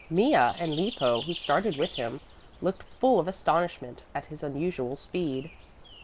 Mea and Lippo, who started with him, looked full of astonishment at his unusual speed.